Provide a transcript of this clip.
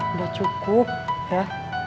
udah cukup ya